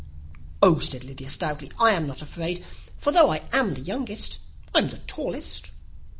"Oh," said Lydia, stoutly, "I am not afraid; for though I am the youngest, I'm the tallest."